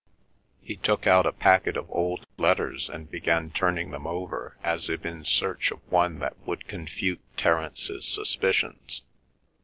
He took out a packet of old letters and began turning them over as if in search of one that would confute Terence's suspicions.